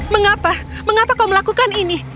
mengapa mengapa kau melakukan ini